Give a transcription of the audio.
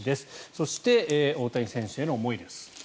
そして、大谷選手への思いです。